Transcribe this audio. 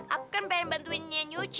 apkan pengen bantuinnya nyuci